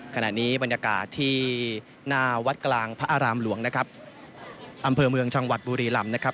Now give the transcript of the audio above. ขณะนี้บรรยากาศที่หน้าวัดกลางพระอารามหลวงนะครับอำเภอเมืองจังหวัดบุรีลำนะครับ